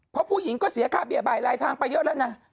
เพราะผู้หญิงก็เสียค่าเบียบ่ายลายทางไปเยอะแล้วนะ